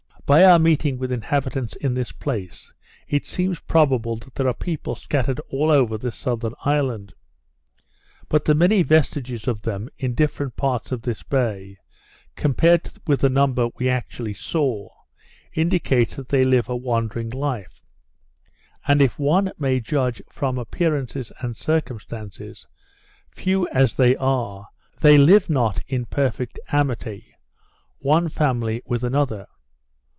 By our meeting with inhabitants in this place, it seems probable that there are people scattered over all this southern island. But the many vestiges of them in different parts of this bay, compared with the number that we actually saw, indicates that they live a wandering life; and, if one may judge from appearances and circumstances, few as they are, they live not in perfect amity, one family with another.